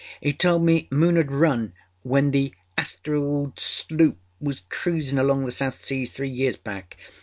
He told me Moon âad run when the Astrild sloop was cruising among the South Seas three years back.